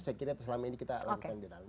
saya kira selama ini kita lakukan di dalam